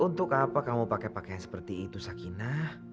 untuk apa kamu pakai pakaian seperti itu sakinah